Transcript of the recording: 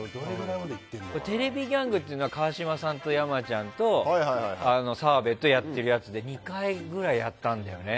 「テレビギャング」っていうのは川島さんと山ちゃんと澤部とやってるやつで２回ぐらいやったんだよね。